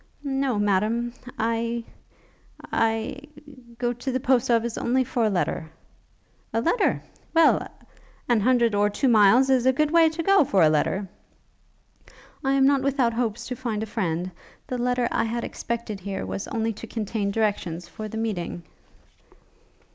'No, Madam ... I ... I ... go to the Post office only for a letter!' 'A letter? Well! an hundred or two miles is a good way to go for a letter!' 'I am not without hopes to find a friend. The letter I had expected here was only to contain directions for the meeting.'